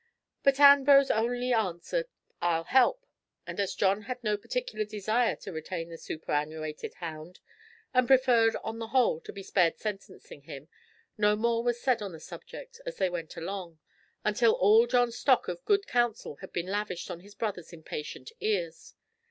But Ambrose only answered "I'll help," and as John had no particular desire to retain the superannuated hound, and preferred on the whole to be spared sentencing him, no more was said on the subject as they went along, until all John's stock of good counsel had been lavished on his brothers' impatient ears.